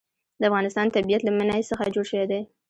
د افغانستان طبیعت له منی څخه جوړ شوی دی.